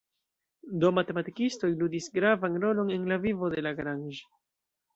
Du matematikistoj ludis gravan rolon en la vivo de Lagrange.